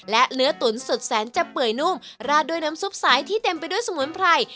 และเนื้อตุ๋นสดแสนจะเปื่อยนุ่มราดด้วยน้ำซุปสายที่เต็มไปด้วยสมุนไพร